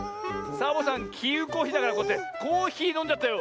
サボさんきうこひだからこうやってコーヒーのんじゃったよ。